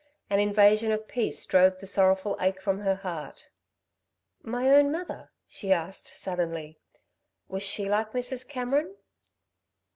An invasion of peace drove the sorrowful ache from her heart. "My own mother," she asked suddenly. "Was she like Mrs. Cameron?"